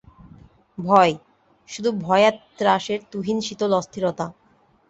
ভয়, শুধু ভয় আর ত্রাসের তুহিন শীতল অস্থিরতা।